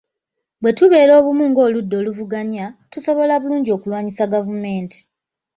Bwe tubeera obumu ng’oludda oluvuganya, tusobola bulungi okulwanyisa gavumenti.